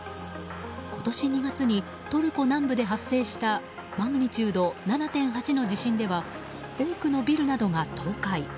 今年２月にトルコ南部で発生したマグニチュード７．８の地震では多くのビルなどが倒壊。